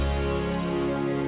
saya hanya merasa seret